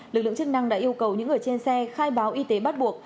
lực lượng chức năng đã yêu cầu những người trên xe khai báo y tế bắt buộc